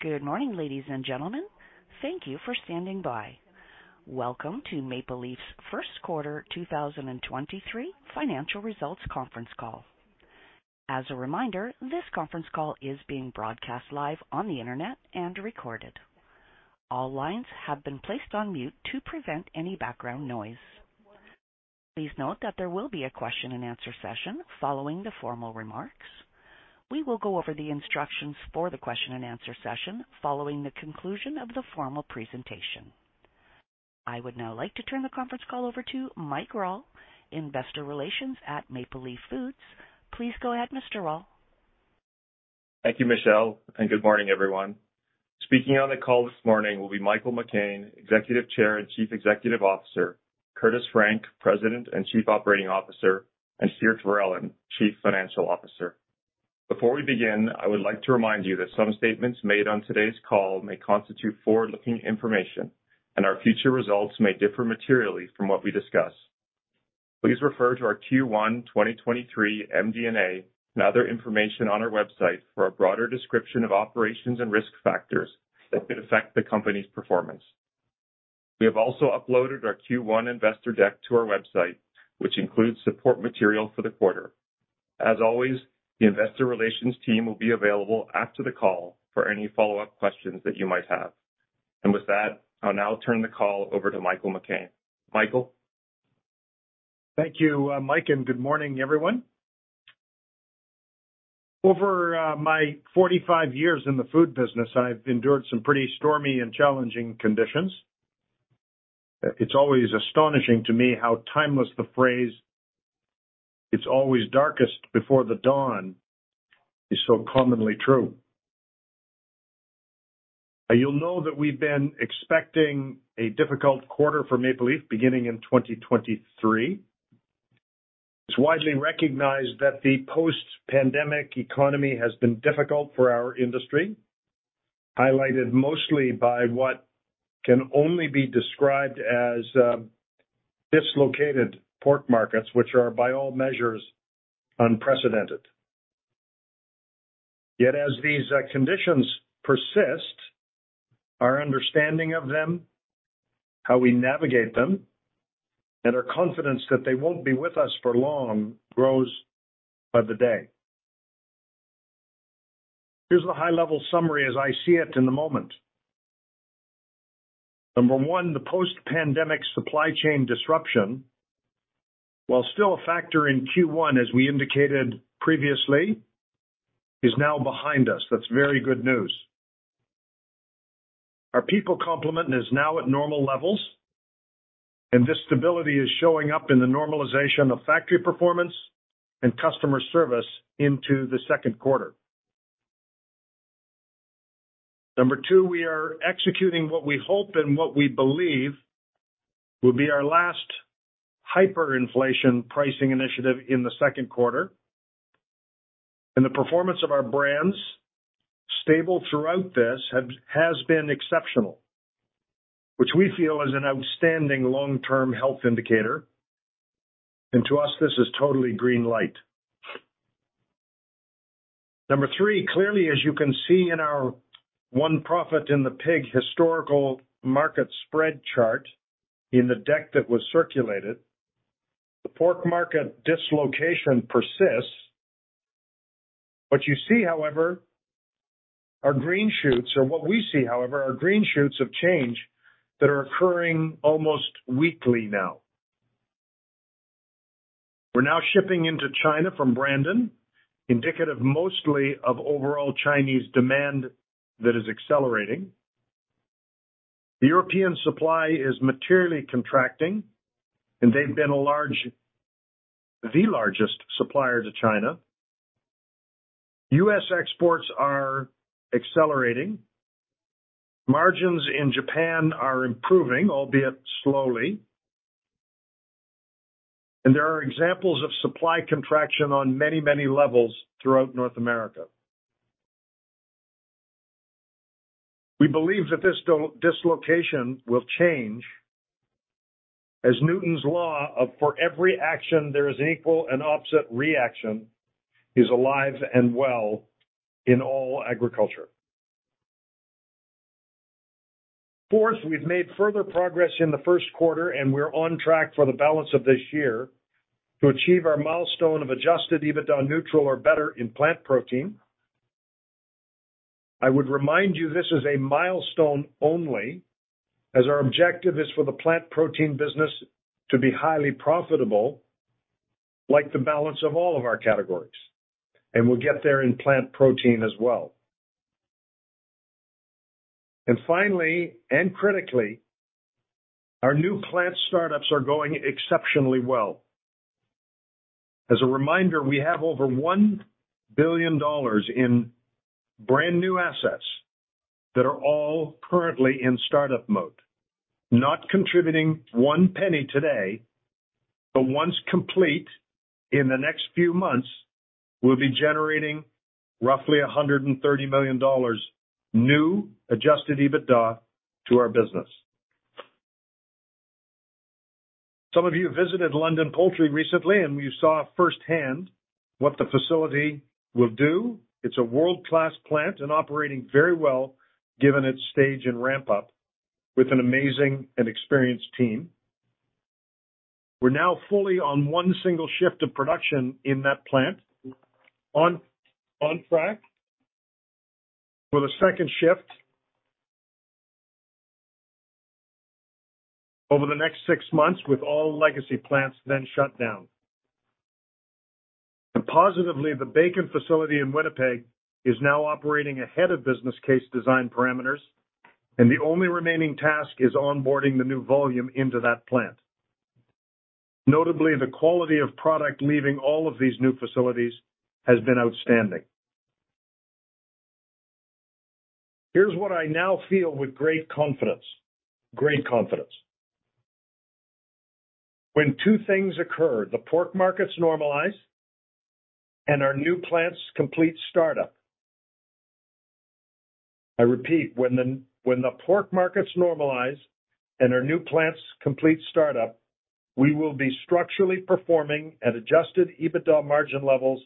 Good morning, ladies and gentlemen. Thank you for standing by. Welcome to Maple Leaf Foods' first quarter 2023 financial results conference call. As a reminder, this conference call is being broadcast live on the Internet and recorded. All lines have been placed on mute to prevent any background noise. Please note that there will be a question and answer session following the formal remarks. We will go over the instructions for the question and answer session following the conclusion of the formal presentation. I would now like to turn the conference call over to Mike Rawle, Investor Relations at Maple Leaf Foods. Please go ahead, Mr. Rawle. Thank you, Michelle. Good morning, everyone. Speaking on the call this morning will be Michael McCain, Executive Chair and Chief Executive Officer, Curtis Frank, President and Chief Operating Officer, and Geert Verellen, Chief Financial Officer. Before we begin, I would like to remind you that some statements made on today's call may constitute forward-looking information and our future results may differ materially from what we discuss. Please refer to our Q1 2023 MD&A and other information on our website for a broader description of operations and risk factors that could affect the company's performance. We have also uploaded our Q1 investor deck to our website, which includes support material for the quarter. As always, the investor relations team will be available after the call for any follow-up questions that you might have. With that, I'll now turn the call over to Michael McCain. Michael? Thank you, Mike. Good morning, everyone. Over my 45 years in the food business, I've endured some pretty stormy and challenging conditions. It's always astonishing to me how timeless the phrase, "it's always darkest before the dawn," is so commonly true. You'll know that we've been expecting a difficult quarter for Maple Leaf beginning in 2023. It's widely recognized that the post-pandemic economy has been difficult for our industry, highlighted mostly by what can only be described as dislocated pork markets, which are, by all measures, unprecedented. As these conditions persist, our understanding of them, how we navigate them, and our confidence that they won't be with us for long grows by the day. Here's the high-level summary as I see it in the moment. Number one, the post-pandemic supply chain disruption, while still a factor in Q1, as we indicated previously, is now behind us. That's very good news. Our people complement is now at normal levels, and this stability is showing up in the normalization of factory performance and customer service into the second quarter. Number two, we are executing what we hope and what we believe will be our last hyperinflation pricing initiative in the second quarter. The performance of our brands, stable throughout this, has been exceptional, which we feel is an outstanding long-term health indicator. To us, this is totally green light. Number three, clearly, as you can see in our One Profit in a Pig historical market spread chart in the deck that was circulated, the pork market dislocation persists. What you see, however, are green shoots or what we see, however, are green shoots of change that are occurring almost weekly now. We're now shipping into China from Brandon, indicative mostly of overall Chinese demand that is accelerating. The European supply is materially contracting, and they've been the largest supplier to China. U.S. exports are accelerating. Margins in Japan are improving, albeit slowly. There are examples of supply contraction on many levels throughout North America. We believe that this dislocation will change as Newton's law of for every action, there is an equal and opposite reaction is alive and well in all agriculture. Fourth, we've made further progress in the first quarter, and we're on track for the balance of this year to achieve our milestone of adjusted EBITDA on neutral or better in plant protein. I would remind you, this is a milestone only as our objective is for the plant protein business to be highly profitable like the balance of all of our categories, and we'll get there in plant protein as well. Finally, and critically, our new plant startups are going exceptionally well. As a reminder, we have over $1 billion in brand-new assets that are all currently in startup mode, not contributing 1 penny today, but once complete in the next few months, we'll be generating roughly $130 million new adjusted EBITDA to our business. Some of you visited London Poultry recently, and you saw firsthand what the facility will do. It's a world-class plant and operating very well given its stage and ramp up with an amazing and experienced team. We're now fully on one single shift of production in that plant on track for the second shift over the next six months, with all legacy plants then shut down. Positively, the bacon facility in Winnipeg is now operating ahead of business case design parameters, and the only remaining task is onboarding the new volume into that plant. Notably, the quality of product leaving all of these new facilities has been outstanding. Here's what I now feel with great confidence. Great confidence. When two things occur, the pork markets normalize and our new plants complete startup. I repeat, when the pork markets normalize and our new plants complete startup, we will be structurally performing at adjusted EBITDA margin levels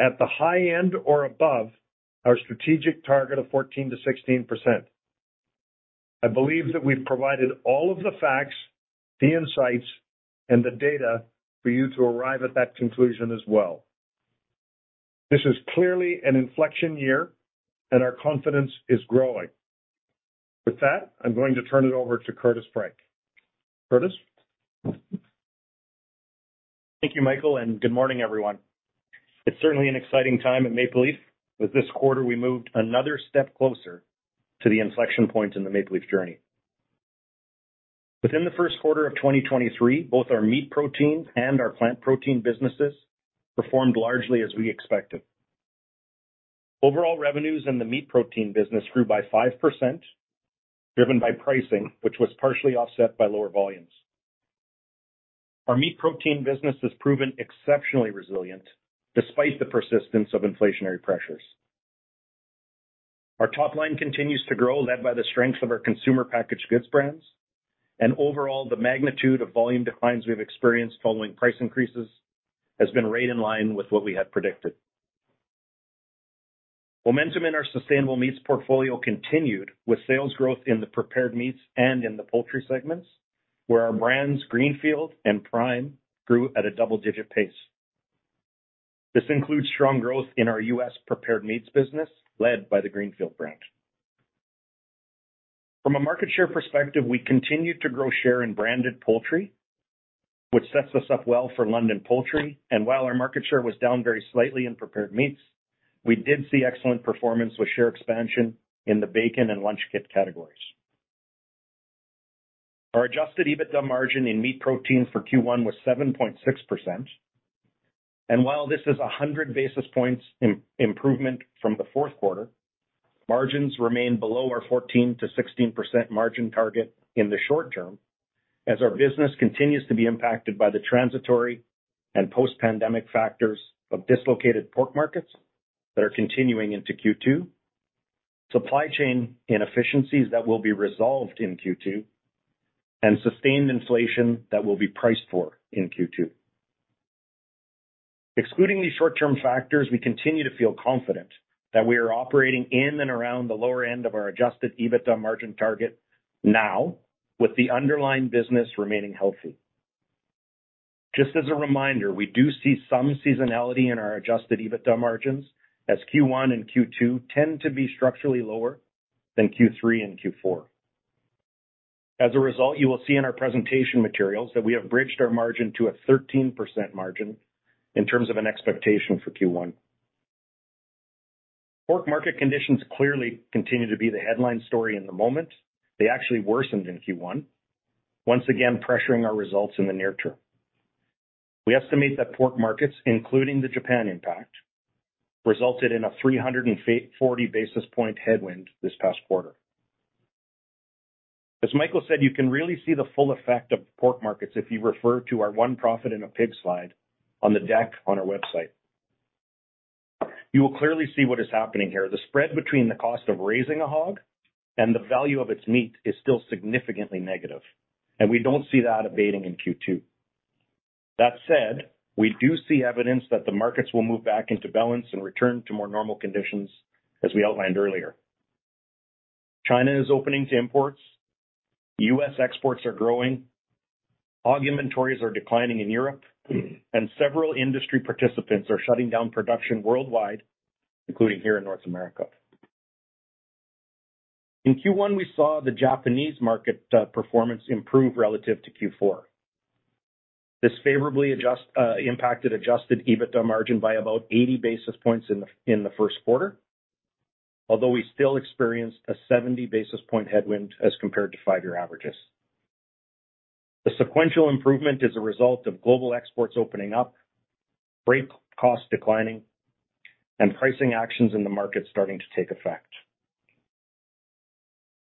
at the high end or above our strategic target of 14%-16%. I believe that we've provided all of the facts, the insights, and the data for you to arrive at that conclusion as well. This is clearly an inflection year, and our confidence is growing. With that, I'm going to turn it over to Curtis Frank. Curtis? Thank you, Michael. Good morning, everyone. It's certainly an exciting time at Maple Leaf. With this quarter, we moved another step closer to the inflection point in the Maple Leaf journey. Within the first quarter of 2023, both our meat protein and our plant protein businesses performed largely as we expected. Overall revenues in the meat protein business grew by 5%, driven by pricing, which was partially offset by lower volumes. Our meat protein business has proven exceptionally resilient despite the persistence of inflationary pressures. Our top line continues to grow, led by the strength of our consumer packaged goods brands. Overall, the magnitude of volume declines we've experienced following price increases has been right in line with what we had predicted. Momentum in our sustainable meats portfolio continued with sales growth in the prepared meats and in the poultry segments, where our brands Greenfield and Prime grew at a double-digit pace. This includes strong growth in our US prepared meats business, led by the Greenfield brand. From a market share perspective, we continued to grow share in branded poultry, which sets us up well for London Poultry. While our market share was down very slightly in prepared meats, we did see excellent performance with share expansion in the bacon and lunch kit categories. Our adjusted EBITDA margin in meat protein for Q1 was 7.6%. While this is 100 basis points improvement from the fourth quarter, margins remain below our 14%-16% margin target in the short term, as our business continues to be impacted by the transitory and post-pandemic factors of dislocated pork markets that are continuing into Q2, supply chain inefficiencies that will be resolved in Q2, and sustained inflation that will be priced for in Q2. Excluding these short-term factors, we continue to feel confident that we are operating in and around the lower end of our adjusted EBITDA margin target now with the underlying business remaining healthy. Just as a reminder, we do see some seasonality in our adjusted EBITDA margins as Q1 and Q2 tend to be structurally lower than Q3 and Q4. As a result, you will see in our presentation materials that we have bridged our margin to a 13% margin in terms of an expectation for Q1. Pork market conditions clearly continue to be the headline story in the moment. They actually worsened in Q1, once again pressuring our results in the near term. We estimate that pork markets, including the Japan impact, resulted in a 340 basis point headwind this past quarter. As Michael said, you can really see the full effect of pork markets if you refer to our One Profit in a Pig slide on the deck on our website. You will clearly see what is happening here. The spread between the cost of raising a hog and the value of its meat is still significantly negative, and we don't see that abating in Q2. That said, we do see evidence that the markets will move back into balance and return to more normal conditions, as we outlined earlier. China is opening to imports, U.S. exports are growing, hog inventories are declining in Europe, and several industry participants are shutting down production worldwide, including here in North America. In Q1, we saw the Japanese market performance improve relative to Q4. This favorably impacted adjusted EBITDA margin by about 80 basis points in the first quarter. Although we still experienced a 70 basis point headwind as compared to five-year averages. The sequential improvement is a result of global exports opening up, freight costs declining, and pricing actions in the market starting to take effect.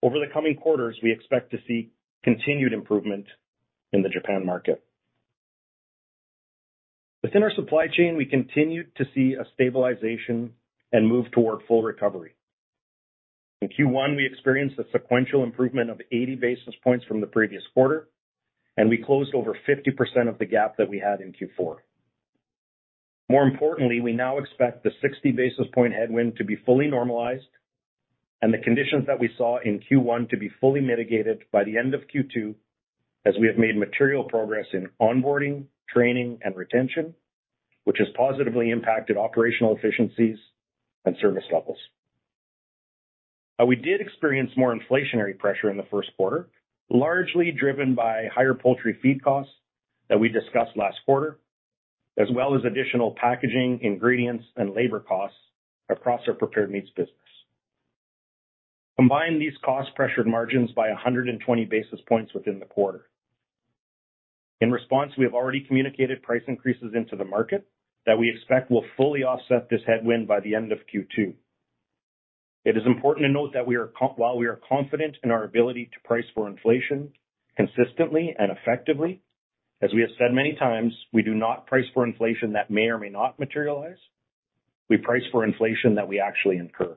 Over the coming quarters, we expect to see continued improvement in the Japan market. Within our supply chain, we continued to see a stabilization and move toward full recovery. In Q1, we experienced a sequential improvement of 80 basis points from the previous quarter, and we closed over 50% of the gap that we had in Q4. We now expect the 60 basis point headwind to be fully normalized and the conditions that we saw in Q1 to be fully mitigated by the end of Q2, as we have made material progress in onboarding, training, and retention, which has positively impacted operational efficiencies and service levels. We did experience more inflationary pressure in the first quarter, largely driven by higher poultry feed costs that we discussed last quarter, as well as additional packaging, ingredients, and labor costs across our prepared meats business. Combined, these costs pressured margins by 120 basis points within the quarter. We have already communicated price increases into the market that we expect will fully offset this headwind by the end of Q2. It is important to note that while we are confident in our ability to price for inflation consistently and effectively, as we have said many times, we do not price for inflation that may or may not materialize. We price for inflation that we actually incur.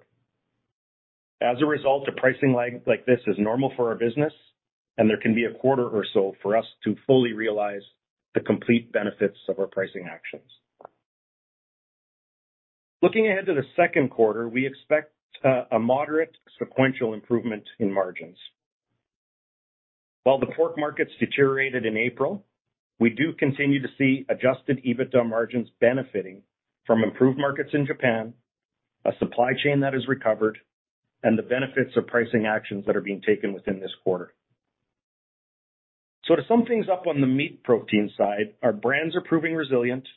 A pricing like this is normal for our business and there can be a quarter or so for us to fully realize the complete benefits of our pricing actions. Looking ahead to the second quarter, we expect a moderate sequential improvement in margins. While the pork markets deteriorated in April, we do continue to see adjusted EBITDA margins benefiting from improved markets in Japan, a supply chain that has recovered, and the benefits of pricing actions that are being taken within this quarter. To sum things up on the meat protein side, our brands are proving resilient,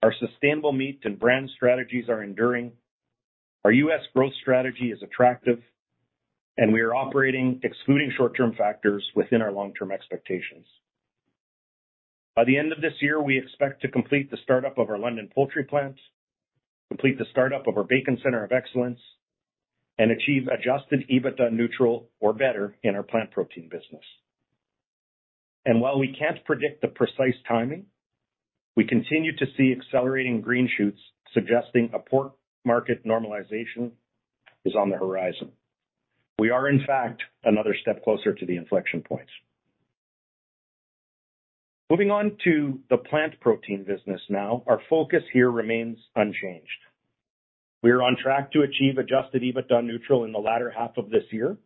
our sustainable meat and brand strategies are enduring, our U.S. growth strategy is attractive, and we are operating excluding short-term factors within our long-term expectations. By the end of this year, we expect to complete the start-up of our London poultry plant, complete the start-up of our Bacon Center of Excellence, and achieve adjusted EBITDA neutral or better in our plant protein business. While we can't predict the precise timing, we continue to see accelerating green shoots suggesting a pork market normalization is on the horizon. We are in fact another step closer to the inflection points. Moving on to the plant protein business now. Our focus here remains unchanged. We are on track to achieve adjusted EBITDA neutral in the latter half of this year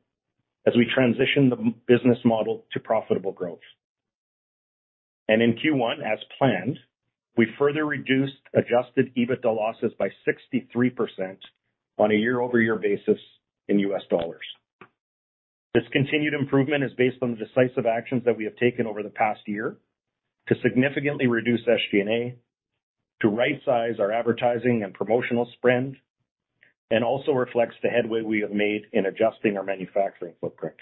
as we transition the business model to profitable growth. In Q1, as planned, we further reduced adjusted EBITDA losses by 63% on a year-over-year basis in US dollars. This continued improvement is based on the decisive actions that we have taken over the past year to significantly reduce SG&A, to right size our advertising and promotional spend, and also reflects the headway we have made in adjusting our manufacturing footprint.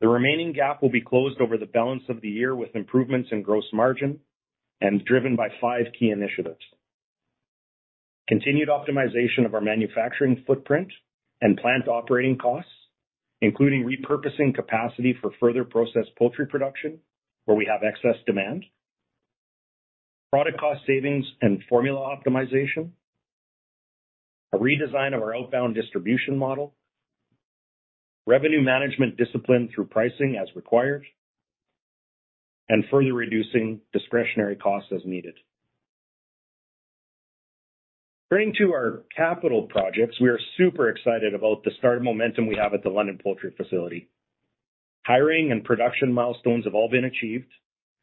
The remaining gap will be closed over the balance of the year with improvements in gross margin and driven by five key initiatives. Continued optimization of our manufacturing footprint and plant operating costs, including repurposing capacity for further processed poultry production where we have excess demand. Product cost savings and formula optimization. A redesign of our outbound distribution model. Revenue management discipline through pricing as required. Further reducing discretionary costs as needed. Turning to our capital projects, we are super excited about the start of momentum we have at the London Poultry facility. Hiring and production milestones have all been achieved,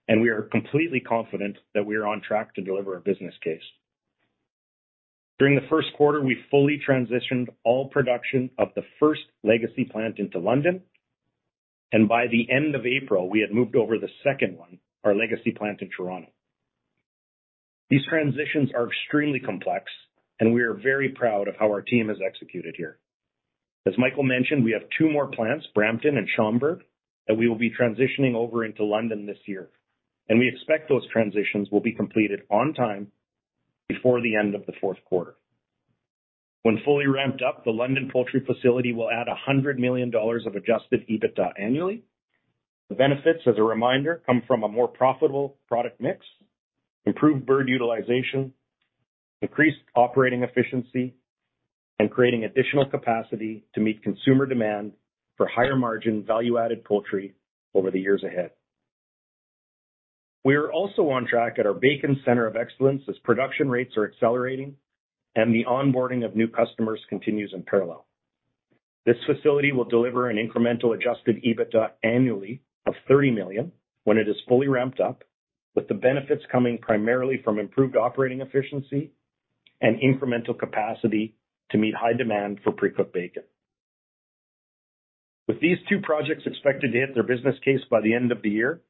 and we are completely confident that we are on track to deliver our business case. During the first quarter, we fully transitioned all production of the first legacy plant into London, and by the end of April, we had moved over the second one, our legacy plant in Toronto. These transitions are extremely complex, and we are very proud of how our team has executed here. As Michael mentioned, we have two more plants, Brampton and Schomberg, that we will be transitioning over into London this year. We expect those transitions will be completed on time before the end of the fourth quarter. When fully ramped up, the London Poultry facility will add $100 million of adjusted EBITDA annually. The benefits, as a reminder, come from a more profitable product mix, improved bird utilization, decreased operating efficiency, and creating additional capacity to meet consumer demand for higher margin value-added poultry over the years ahead. We are also on track at our Bacon Center of Excellence as production rates are accelerating and the onboarding of new customers continues in parallel. This facility will deliver an incremental adjusted EBITDA annually of $30 million when it is fully ramped up, with the benefits coming primarily from improved operating efficiency and incremental capacity to meet high demand for pre-cooked bacon. With these two projects expected to hit their business case by the end of the year,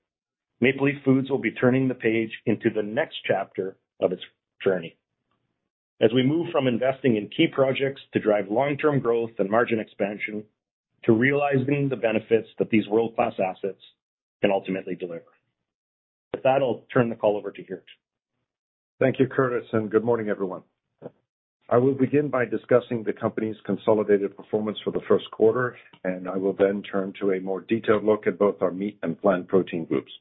Maple Leaf Foods will be turning the page into the next chapter of its journey. As we move from investing in key projects to drive long-term growth and margin expansion to realizing the benefits that these world-class assets can ultimately deliver. With that, I'll turn the call over to Geert. Thank you, Curtis, and good morning, everyone. I will begin by discussing the company's consolidated performance for the first quarter, and I will then turn to a more detailed look at both our meat and plant protein groups.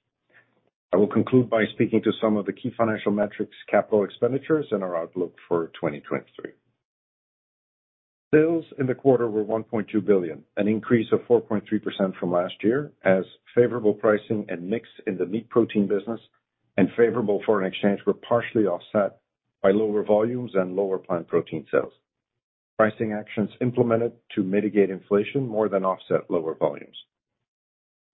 I will conclude by speaking to some of the key financial metrics, capital expenditures, and our outlook for 2023. Sales in the quarter were $1.2 billion, an increase of 4.3% from last year, as favorable pricing and mix in the meat protein business and favorable foreign exchange were partially offset by lower volumes and lower plant protein sales. Pricing actions implemented to mitigate inflation more than offset lower volumes.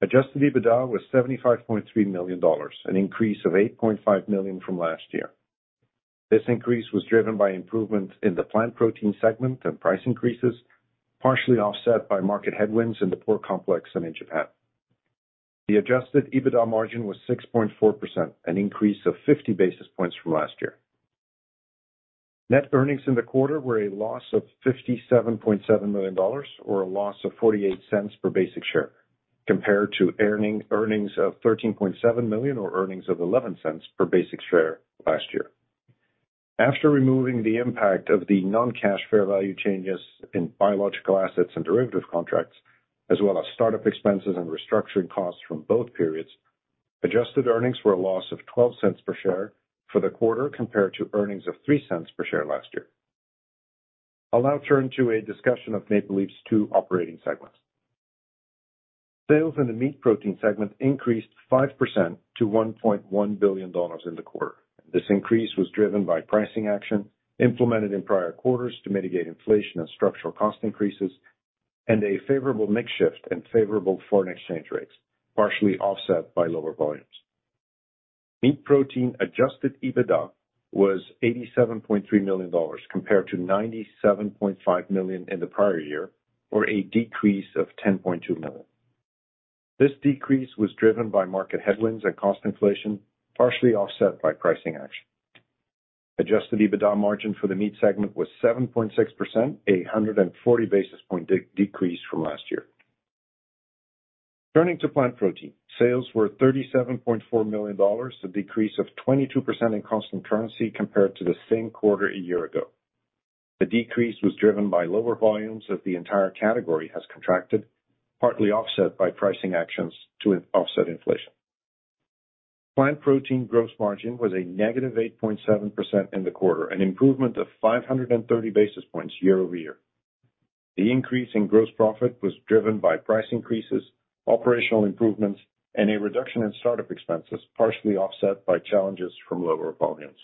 Adjusted EBITDA was $75.3 million, an increase of $8.5 million from last year. This increase was driven by improvement in the plant protein segment and price increases, partially offset by market headwinds in the pork complex and in Japan. The adjusted EBITDA margin was 6.4%, an increase of 50 basis points from last year. Net earnings in the quarter were a loss of $57.7 million or a loss of $0.48 per basic share, compared to earnings of $13.7 million or earnings of $0.11 per basic share last year. After removing the impact of the non-cash fair value changes in biological assets and derivative contracts, as well as start-up expenses and restructuring costs from both periods, adjusted earnings were a loss of $0.12 per share for the quarter compared to earnings of $0.03 per share last year. I'll now turn to a discussion of Maple Leaf's two operating segments. Sales in the meat protein segment increased 5% to $1.1 billion in the quarter. This increase was driven by pricing action implemented in prior quarters to mitigate inflation and structural cost increases, and a favorable mix shift and favorable foreign exchange rates, partially offset by lower volumes. Meat protein adjusted EBITDA was $87.3 million compared to $97.5 million in the prior year or a decrease of $10.2 million. This decrease was driven by market headwinds and cost inflation, partially offset by pricing action. Adjusted EBITDA margin for the meat segment was 7.6%, a 140 basis point decreased from last year. Turning to plant protein, sales were $37.4 million, a decrease of 22% in constant currency compared to the same quarter a year ago. The decrease was driven by lower volumes as the entire category has contracted, partly offset by pricing actions to offset inflation. Plant protein gross margin was a negative 8.7% in the quarter, an improvement of 530 basis points year-over-year. The increase in gross profit was driven by price increases, operational improvements, and a reduction in start-up expenses, partially offset by challenges from lower volumes.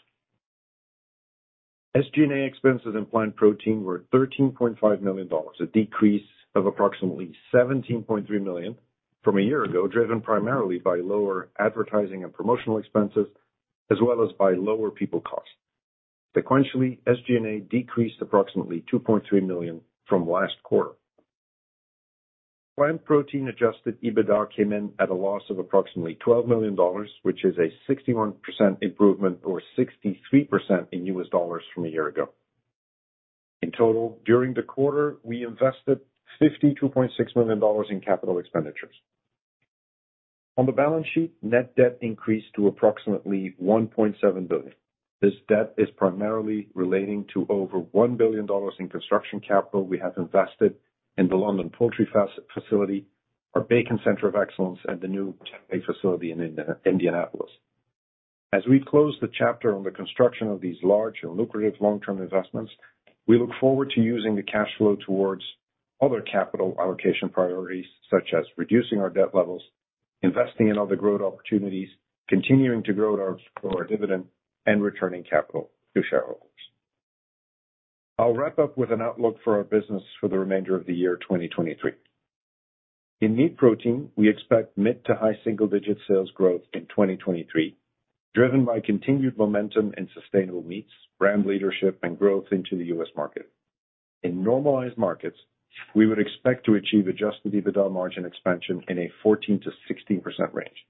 SG&A expenses in plant protein were $13.5 million, a decrease of approximately $17.3 million from a year ago, driven primarily by lower advertising and promotional expenses, as well as by lower people costs. Sequentially, SG&A decreased approximately $2.3 million from last quarter. Plant protein adjusted EBITDA came in at a loss of approximately $12 million, which is a 61% improvement or 63% in USD from a year ago. In total, during the quarter, we invested $52.6 million in capital expenditures. On the balance sheet, net debt increased to approximately $1.7 billion. This debt is primarily relating to over $1 billion in construction capital we have invested in the London Poultry Facility, our Bacon Center of Excellence, and the new tempeh facility in Indianapolis. As we close the chapter on the construction of these large and lucrative long-term investments, we look forward to using the cash flow towards other capital allocation priorities, such as reducing our debt levels, investing in other growth opportunities, continuing to grow our dividend, and returning capital to shareholders. I'll wrap up with an outlook for our business for the remainder of the year 2023. In meat protein, we expect mid to high single-digit sales growth in 2023, driven by continued momentum in sustainable meats, brand leadership, and growth into the US market. In normalized markets, we would expect to achieve adjusted EBITDA margin expansion in a 14%-16% range.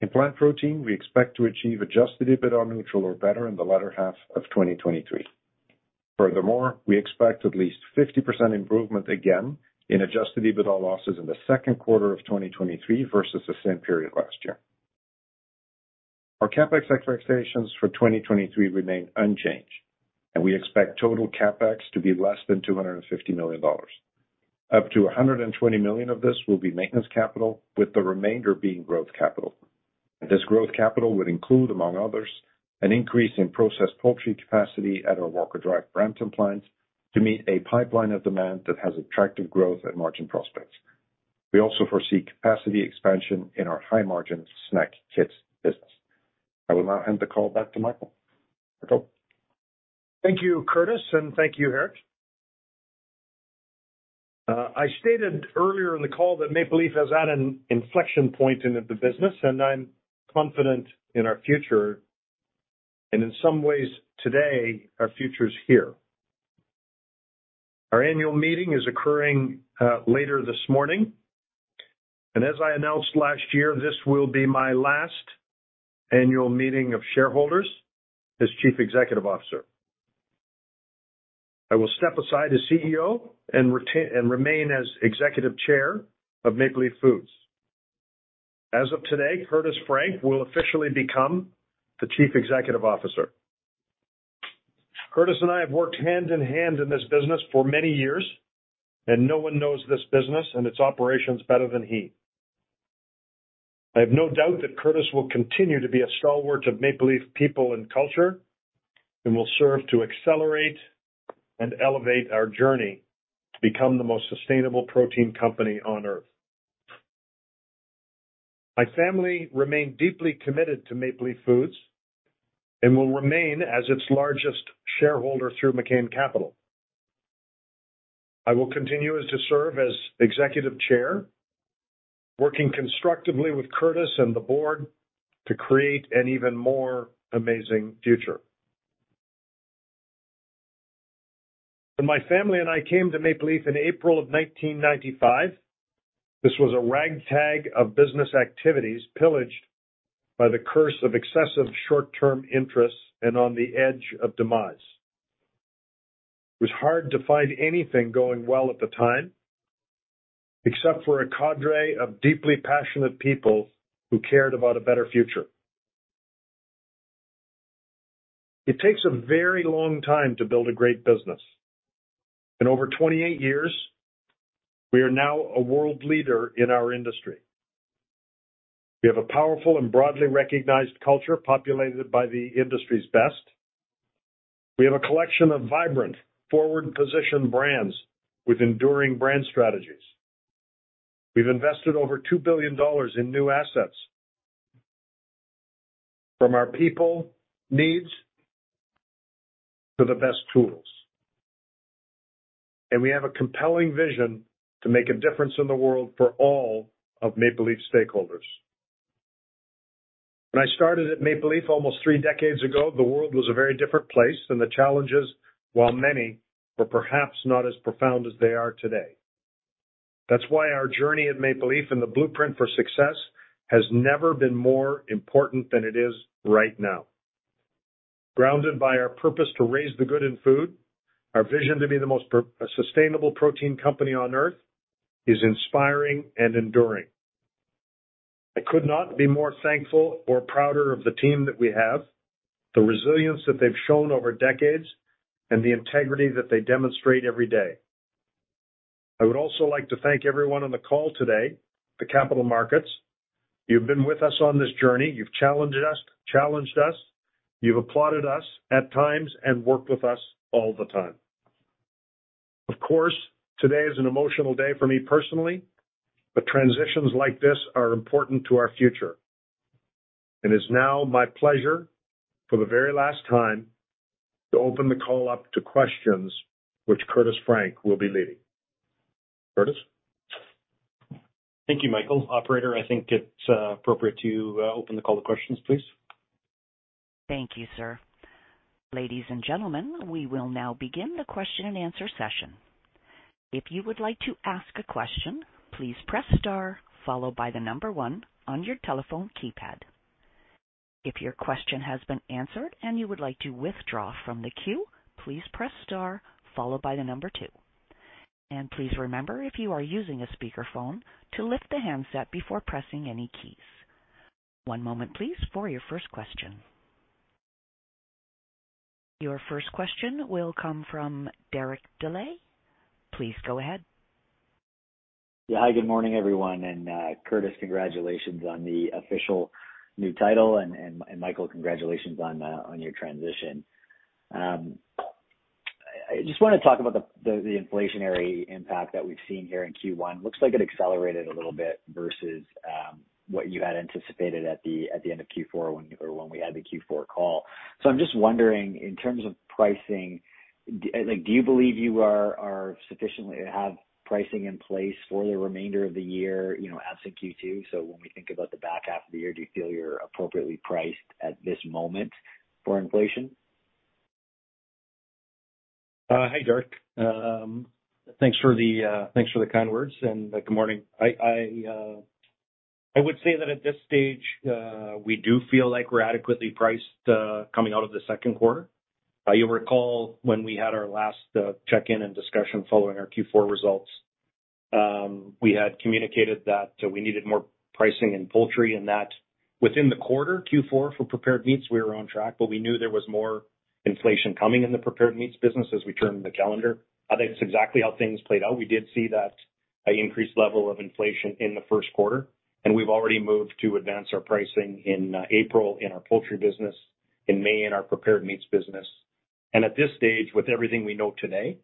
In plant protein, we expect to achieve adjusted EBITDA neutral or better in the latter half of 2023. We expect at least 50% improvement again in adjusted EBITDA losses in the second quarter of 2023 versus the same period last year. Our CapEx expectations for 2023 remain unchanged, and we expect total CapEx to be less than $250 million. Up to $120 million of this will be maintenance capital, with the remainder being growth capital. This growth capital would include, among others, an increase in processed poultry capacity at our Walker Drive Brampton plant to meet a pipeline of demand that has attractive growth and margin prospects. We also foresee capacity expansion in our high-margin snack kits business. I will now hand the call back to Michael. Michael? Thank you, Curtis, and thank you, Geert. I stated earlier in the call that Maple Leaf is at an inflection point in the business, and I'm confident in our future, and in some ways today, our future is here. Our annual meeting is occurring later this morning. As I announced last year, this will be my last annual meeting of shareholders as chief executive officer. I will step aside as CEO and remain as Executive Chair of Maple Leaf Foods. As of today, Curtis Frank will officially become the Chief Executive Officer. Curtis and I have worked hand in hand in this business for many years, and no one knows this business and its operations better than he. I have no doubt that Curtis will continue to be a stalwart of Maple Leaf Foods people and culture and will serve to accelerate and elevate our journey to become the most sustainable protein company on Earth. My family remain deeply committed to Maple Leaf Foods and will remain as its largest shareholder through McCain Capital Partners. I will continue as to serve as Executive Chair, working constructively with Curtis and the board to create an even more amazing future. When my family and I came to Maple Leaf Foods in April of 1995, this was a ragtag of business activities pillaged by the curse of excessive short-term interests and on the edge of demise. It was hard to find anything going well at the time, except for a cadre of deeply passionate people who cared about a better future. It takes a very long time to build a great business, and over 28 years we are now a world leader in our industry. We have a powerful and broadly recognized culture populated by the industry's best. We have a collection of vibrant, forward-positioned brands with enduring brand strategies. We've invested over $2 billion in new assets from our people needs to the best tools, and we have a compelling vision to make a difference in the world for all of Maple Leaf stakeholders. When I started at Maple Leaf almost three decades ago, the world was a very different place, and the challenges, while many, were perhaps not as profound as they are today. That's why our journey at Maple Leaf and the blueprint for success has never been more important than it is right now. Grounded by our purpose to raise the good in food, our vision to be the most sustainable protein company on earth is inspiring and enduring. I could not be more thankful or prouder of the team that we have, the resilience that they've shown over decades, and the integrity that they demonstrate every day. I would also like to thank everyone on the call today, the capital markets. You've been with us on this journey. You've challenged us. You've applauded us at times and worked with us all the time. Of course, today is an emotional day for me personally, but transitions like this are important to our future. It is now my pleasure, for the very last time, to open the call up to questions which Curtis Frank will be leading. Curtis? Thank you, Michael. Operator, I think it's appropriate to open the call to questions, please. Thank you, sir. Ladies and gentlemen, we will now begin the question and answer session. If you would like to ask a question, please press star followed by one on your telephone keypad. If your question has been answered and you would like to withdraw from the queue, please press star followed by two. Please remember, if you are using a speakerphone, to lift the handset before pressing any keys. One moment please for your first question. Your first question will come from Derek Dley. Please go ahead. Yeah. Hi, good morning, everyone. Curtis, congratulations on the official new title. Michael, congratulations on your transition. I just want to talk about the inflationary impact that we've seen here in Q1. Looks like it accelerated a little bit versus what you had anticipated at the, at the end of Q4 when we had the Q4 call. I'm just wondering, in terms of pricing, like, do you believe you are sufficiently have pricing in place for the remainder of the year, you know, absent Q2? When we think about the back half of the year, do you feel you're appropriately priced at this moment for inflation? Hi, Derek. Thanks for the kind words. Good morning. I would say that at this stage, we do feel like we're adequately priced coming out of the second quarter. You'll recall when we had our last check-in and discussion following our Q4 results, we had communicated that we needed more pricing in poultry and that within the quarter, Q4, for prepared meats, we were on track. We knew there was more inflation coming in the prepared meats business as we turned the calendar. I think that's exactly how things played out. We did see that increased level of inflation in the first quarter. We've already moved to advance our pricing in April in our poultry business, in May in our prepared meats business. At this stage, with everything we know today,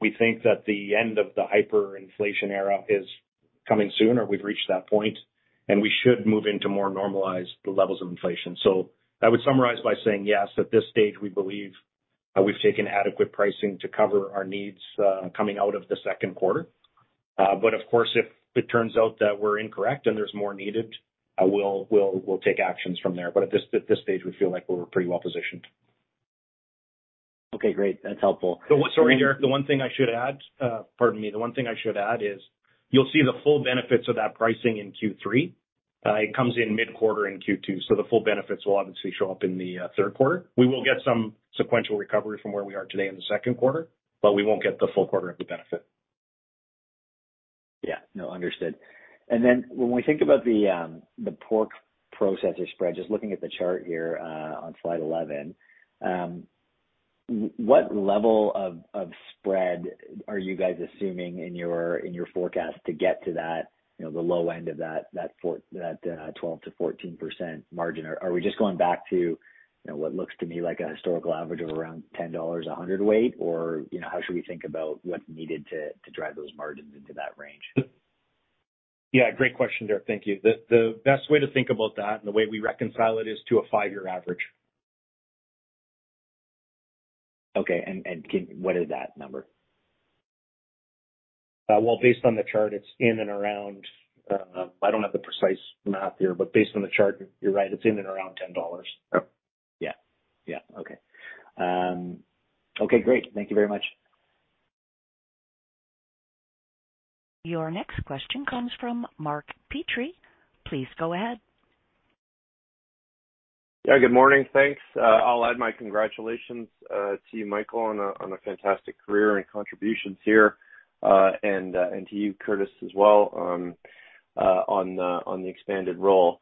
we think that the end of the hyperinflation era is coming soon or we've reached that point, and we should move into more normalized levels of inflation. I would summarize by saying yes, at this stage, we believe we've taken adequate pricing to cover our needs coming out of the second quarter. Of course, if it turns out that we're incorrect and there's more needed, we'll take actions from there. At this stage, we feel like we're pretty well positioned. Okay, great. That's helpful. Sorry, Derek, the one thing I should add, pardon me. The one thing I should add is you'll see the full benefits of that pricing in Q3. It comes in mid-quarter in Q2, so the full benefits will obviously show up in the third quarter. We will get some sequential recovery from where we are today in the second quarter, but we won't get the full quarter of the benefit. Yeah, no, understood. When we think about the pork processor spread, just looking at the chart here, on slide 11, what level of spread are you guys assuming in your forecast to get to that, you know, the low end of that 12%-14% margin? Are we just going back to, you know, what looks to me like a historical average of around $10 a hundredweight? Or, you know, how should we think about what's needed to drive those margins into that range? Yeah, great question, Derek. Thank you. The best way to think about that and the way we reconcile it is to a five-year average. Okay. What is that number? Well, based on the chart, it's in and around, I don't have the precise math here. Based on the chart, you're right, it's in and around $10. Oh, yeah. Yeah. Okay. Okay, great. Thank you very much. Your next question comes from Mark Petrie. Please go ahead. Yeah, good morning. Thanks. I'll add my congratulations to you, Michael, on a fantastic career and contributions here, and to you, Curtis, as well, on the expanded role.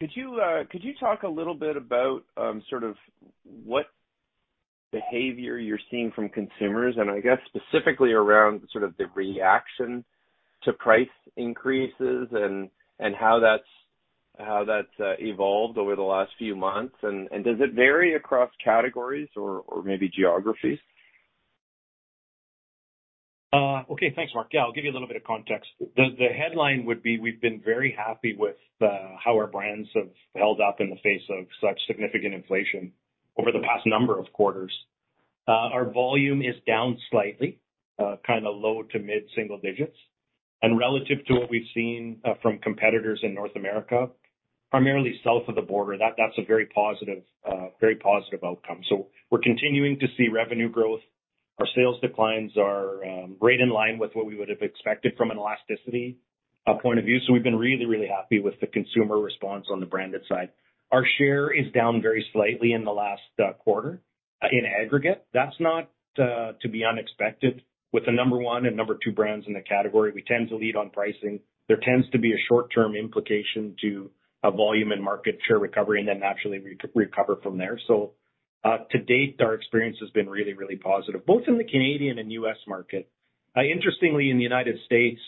Could you talk a little bit about sort of what behavior you're seeing from consumers? I guess specifically around sort of the reaction to price increases and how that's evolved over the last few months. Does it vary across categories or maybe geographies? Okay. Thanks, Mark. Yeah, I'll give you a little bit of context. The headline would be we've been very happy with how our brands have held up in the face of such significant inflation over the past number of quarters. Our volume is down slightly, kind of low to mid-single digits. Relative to what we've seen from competitors in North America, primarily south of the border, that's a very positive outcome. We're continuing to see revenue growth. Our sales declines are right in line with what we would have expected from an elasticity point of view. We've been really, really happy with the consumer response on the branded side. Our share is down very slightly in the last quarter in aggregate. That's not to be unexpected. With the number one and number two brands in the category, we tend to lead on pricing. There tends to be a short-term implication to a volume and market share recovery and then naturally recover from there. To date, our experience has been really, really positive, both in the Canadian and U.S. market. Interestingly, in the United States,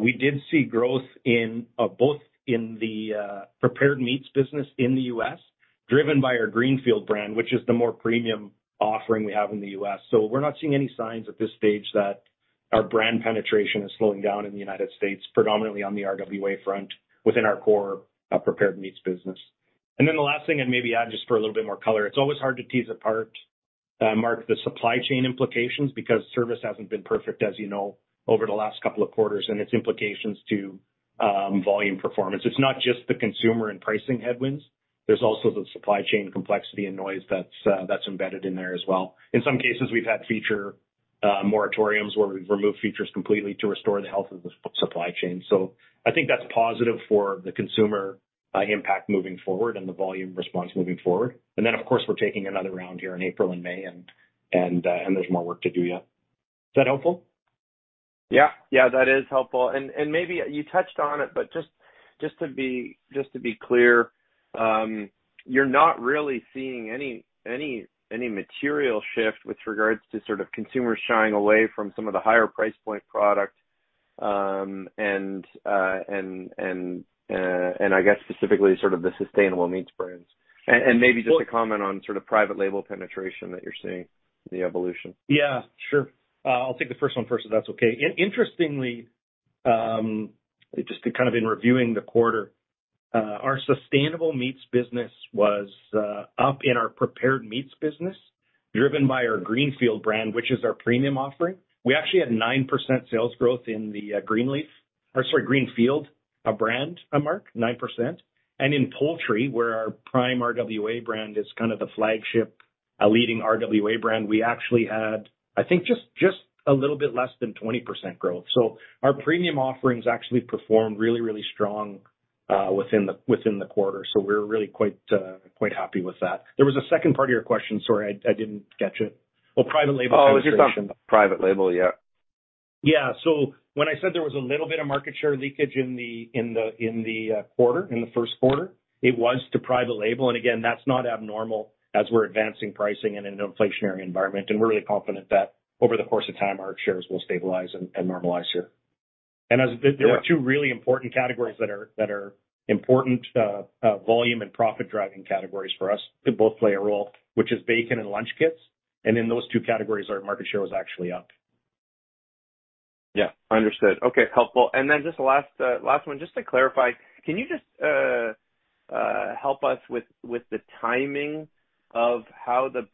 we did see growth in both in the prepared meats business in the U.S., driven by our Greenfield brand, which is the more premium offering we have in the U.S. We're not seeing any signs at this stage that our brand penetration is slowing down in the United States, predominantly on the RWA front within our core prepared meats business. The last thing I'd maybe add, just for a little bit more color, it's always hard to tease apart, Mark, the supply chain implications because service hasn't been perfect, as you know, over the last couple of quarters and its implications to volume performance. It's not just the consumer and pricing headwinds. There's also the supply chain complexity and noise that's embedded in there as well. In some cases, we've had feature moratoriums where we've removed features completely to restore the health of the supply chain. So I think that's positive for the consumer impact moving forward and the volume response moving forward. Of course, we're taking another round here in April and May, and there's more work to do yet. Is that helpful? Yeah, that is helpful. Maybe you touched on it, but just to be clear, you're not really seeing any material shift with regards to sort of consumers shying away from some of the higher price point product, and I guess specifically sort of the sustainable meats brands. Maybe just a comment on sort of private label penetration that you're seeing, the evolution. Yeah, sure. I'll take the first one first if that's okay. Interestingly, just to kind of in reviewing the quarter, our sustainable meats business was up in our prepared meats business, driven by our Greenfield brand, which is our premium offering. We actually had 9% sales growth in the Greenleaf or, sorry, Greenfield brand, Mark, 9%. In poultry, where our Prime RWA brand is kind of the flagship, leading RWA brand, we actually had, I think, just a little bit less than 20% growth. Our premium offerings actually performed really, really strong within the, within the quarter. We're really quite happy with that. There was a second part of your question. Sorry, I didn't catch it. Well, private label penetration. Oh, I was just on private label, yeah. When I said there was a little bit of market share leakage in the quarter, in the 1st quarter, it was to private label. That's not abnormal as we're advancing pricing in an inflationary environment. We're really confident that over the course of time, our shares will stabilize and normalize here. There are two really important categories that are important volume and profit-driving categories for us. They both play a role, which is bacon and lunch kits. In those two categories, our market share was actually up. Yeah, understood. Okay, helpful. Just the last one, just to clarify, can you just help us with the timing of how the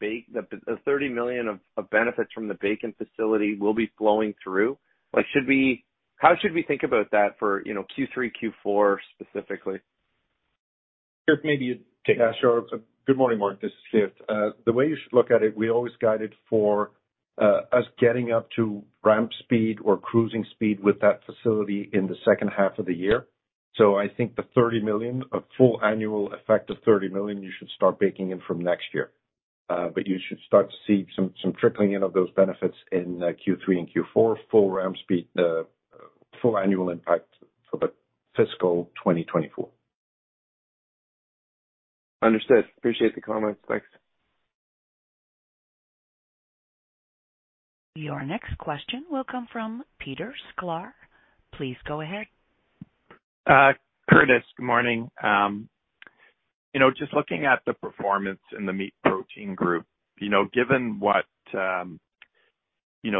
$30 million of benefits from the bacon facility will be flowing through? Like, how should we think about that for, you know, Q3, Q4 specifically? Geert maybe you take that one. Good morning, Mark. This is Geert. The way you should look at it, we always guide it for us getting up to ramp speed or cruising speed with that facility in the second half of the year. I think the $30 million, a full annual effect of $30 million you should start baking in from next year. You should start to see some trickling in of those benefits in Q3 and Q4. Full ramp speed, full annual impact for the fiscal 2024. Understood. Appreciate the comments. Thanks. Your next question will come from Peter Sklar. Please go ahead. Curtis, good morning. Just looking at the performance in the meat protein group, given what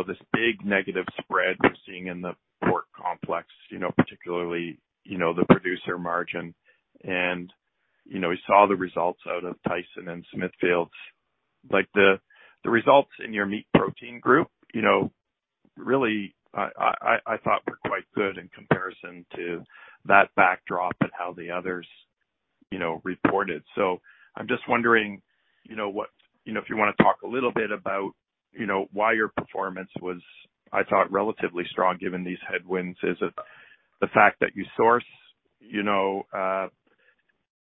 this big negative spread we're seeing in the pork complex, particularly the producer margin and we saw the results out of Tyson Foods and Smithfield Foods. The results in your meat protein group really I thought were quite good in comparison to that backdrop and how the others reported. I'm just wondering if you wanna talk a little bit about why your performance was, I thought, relatively strong given these headwinds. Is it the fact that you source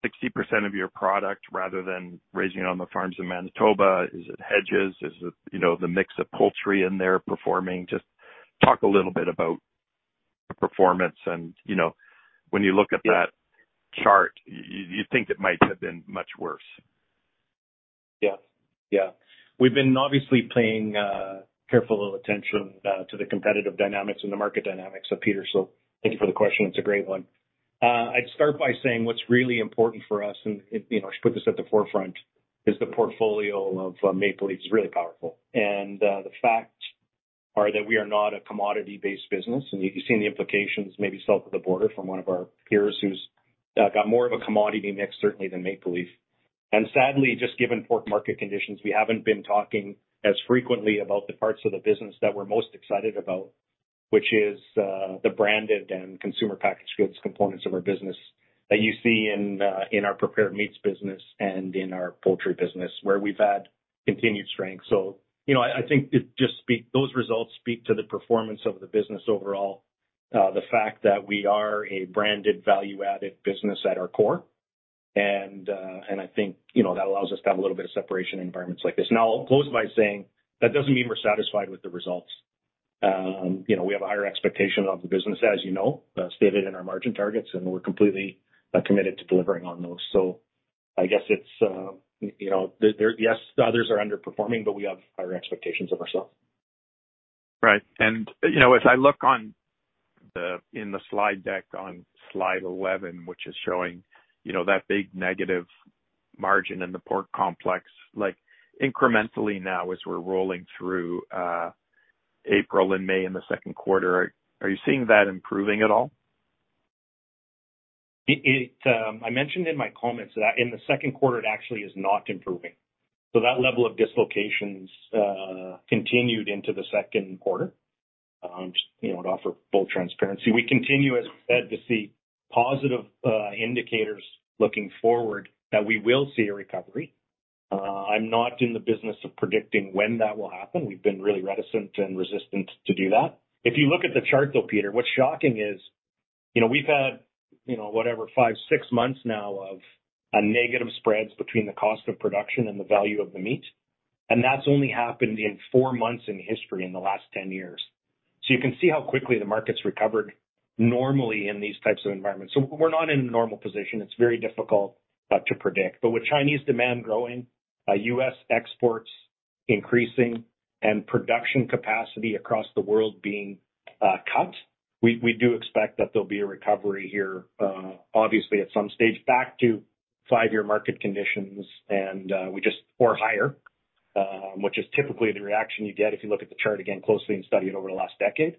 60% of your product rather than raising it on the farms in Manitoba? Is it hedges? Is it, you know, the mix of poultry in there performing? Just talk a little bit about the performance and, you know, when you look at that chart, you think it might have been much worse. Yeah. Yeah. We've been obviously paying, careful attention, to the competitive dynamics and the market dynamics, Peter, so thank you for the question. It's a great one. I'd start by saying what's really important for us, and, you know, I should put this at the forefront, is the portfolio of Maple Leaf is really powerful. The fact are that we are not a commodity-based business, and you've seen the implications maybe south of the border from one of our peers who's, got more of a commodity mix certainly than Maple Leaf. Sadly, just given pork market conditions, we haven't been talking as frequently about the parts of the business that we're most excited about, which is, the branded and consumer packaged goods components of our business that you see in our prepared meats business and in our poultry business, where we've had continued strength. You know, I think it just those results speak to the performance of the business overall. The fact that we are a branded value-added business at our core and I think, you know, that allows us to have a little bit of separation in environments like this. I'll close by saying that doesn't mean we're satisfied with the results. You know, we have a higher expectation of the business, as you know, as stated in our margin targets, and we're completely committed to delivering on those. I guess it's, you know, there yes, the others are underperforming, but we have higher expectations of ourselves. Right. You know, as I look in the slide deck on slide 11, which is showing, you know, that big negative margin in the pork complex, like incrementally now as we're rolling through April and May in the second quarter, are you seeing that improving at all? I mentioned in my comments that in the second quarter it actually is not improving. That level of dislocations continued into the second quarter. Just, you know, to offer full transparency. We continue, as we said, to see positive indicators looking forward that we will see a recovery. I'm not in the business of predicting when that will happen. We've been really reticent and resistant to do that. If you look at the chart though, Peter, what's shocking is, you know, we've had, you know, whatever, five, six months now of a negative spreads between the cost of production and the value of the meat, and that's only happened in four months in history in the last 10 years. You can see how quickly the market's recovered normally in these types of environments. We're not in a normal position. It's very difficult to predict. With Chinese demand growing, US exports increasing and production capacity across the world being cut, we do expect that there'll be a recovery here, obviously at some stage back to 5-year market conditions or higher, which is typically the reaction you get if you look at the chart again closely and study it over the last decade.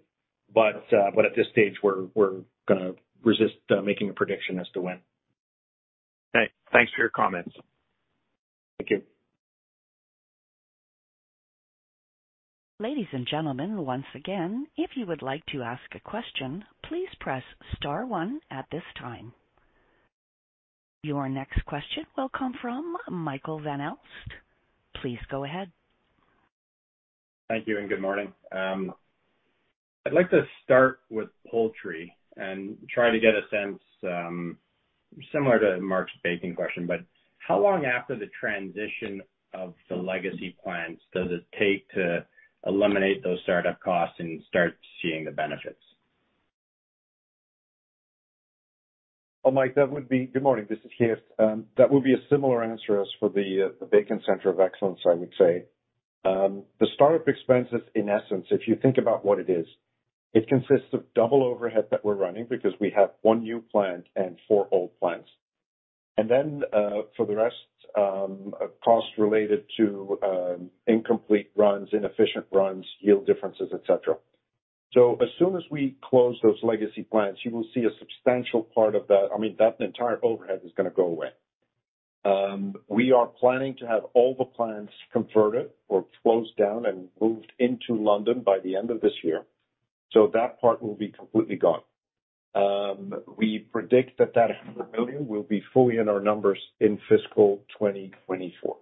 At this stage, we're gonna resist making a prediction as to when. Okay. Thanks for your comments. Thank you. Ladies and gentlemen, once again, if you would like to ask a question, please press star one at this time. Your next question will come from Michael Van Aelst. Please go ahead. Thank you good morning. I'd like to start with poultry and try to get a sense, similar to Mark's baking question, but how long after the transition of the legacy plants does it take to eliminate those startup costs and start seeing the benefits? Mike, that would be... Good morning. This is Geert. That would be a similar answer as for the Bacon Center of Excellence, I would say. The startup expenses, in essence, if you think about what it is, it consists of double overhead that we're running because we have one new plant and four old plants. For the rest, cost related to incomplete runs, inefficient runs, yield differences, et cetera. As soon as we close those legacy plants, you will see a substantial part of that. I mean, that entire overhead is gonna go away. We are planning to have all the plants converted or closed down and moved into London by the end of this year. That part will be completely gone. We predict that that $100 million will be fully in our numbers in fiscal 2024.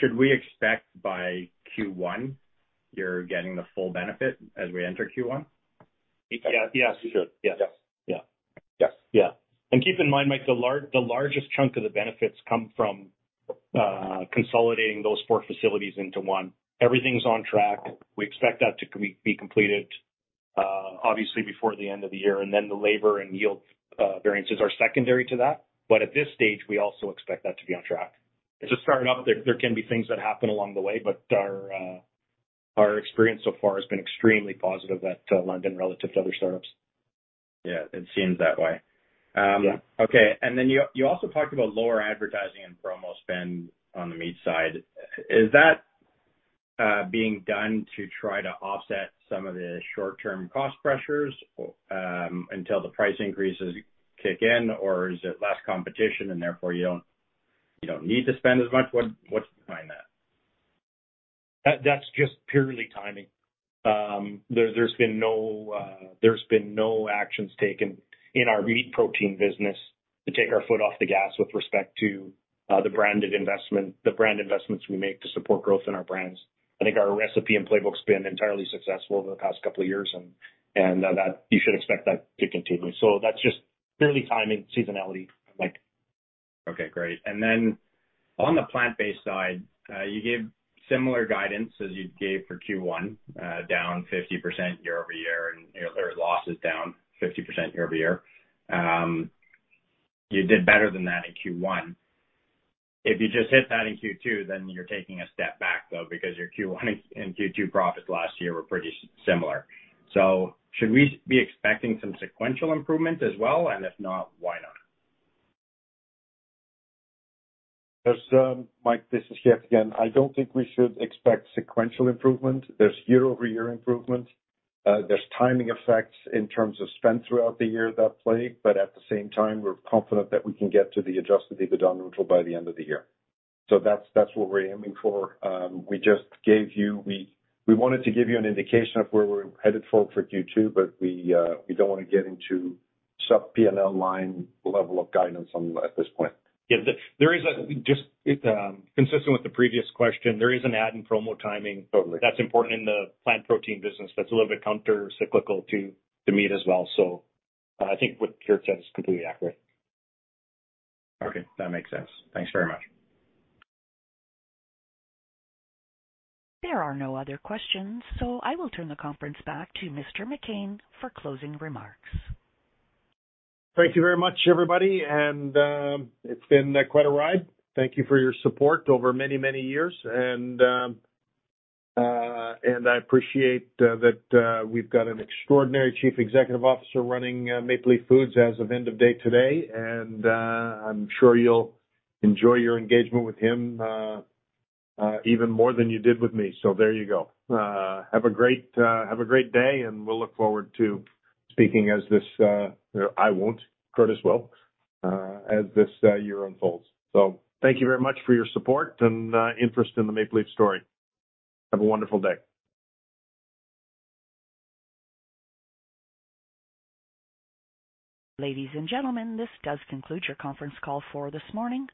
Should we expect by Q1 you're getting the full benefit as we enter Q1? Yeah. Yes, you should. Yes. Yeah. Yes. Yeah. Keep in mind, Mike, the largest chunk of the benefits come from consolidating those four facilities into one. Everything's on track. We expect that to be completed obviously before the end of the year. Then the labor and yield variances are secondary to that. At this stage, we also expect that to be on track. It's a startup. There can be things that happen along the way, but our experience so far has been extremely positive at London relative to other startups. Yeah, it seems that way. Okay. You also talked about lower advertising and promo spend on the meat side. Is that being done to try to offset some of the short term cost pressures until the price increases kick in? Or is it less competition and therefore you don't need to spend as much? What's behind that? That's just purely timing. There's been no, there's been no actions taken in our meat protein business to take our foot off the gas with respect to, the brand investments we make to support growth in our brands. I think our recipe and playbook's been entirely successful over the past couple of years and, that you should expect that to continue. That's just purely timing, seasonality, Mike. Okay, great. On the plant-based side, you gave similar guidance as you gave for Q1, down 50% year-over-year and your losses down 50% year-over-year. You did better than that in Q1. If you just hit that in Q2, then you're taking a step back, though, because your Q1 and Q2 profits last year were pretty similar. Should we be expecting some sequential improvement as well? If not, why not? Mike, this is Geert again. I don't think we should expect sequential improvement. There's year-over-year improvement. There's timing effects in terms of spend throughout the year that play, but at the same time, we're confident that we can get to the adjusted EBITDA neutral by the end of the year. That's, that's what we're aiming for. We just gave you. We wanted to give you an indication of where we're headed for Q2, we don't wanna get into sub PNL line level of guidance on at this point. Yeah. There is a just, consistent with the previous question, there is an ad and promo timing- Totally. That's important in the plant protein business that's a little bit counter cyclical to meat as well. I think what Geert said is completely accurate. Okay, that makes sense. Thanks very much. There are no other questions, so I will turn the conference back to Mr. McCain for closing remarks. Thank you very much, everybody. It's been quite a ride. Thank you for your support over many, many years and I appreciate that we've got an extraordinary chief executive officer running Maple Leaf Foods as of end of day today. I'm sure you'll enjoy your engagement with him even more than you did with me. There you go. Have a great, have a great day and we'll look forward to speaking as this, I won't, Curtis will, as this year unfolds. Thank you very much for your support and interest in the Maple Leaf story. Have a wonderful day. Ladies and gentlemen, this does conclude your conference call for this morning.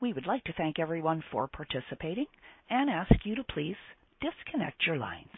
We would like to thank everyone for participating and ask you to please disconnect your lines.